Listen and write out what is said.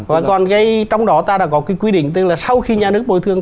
và còn trong đó ta đã có quy định tên là sau khi nhà nước bồi thường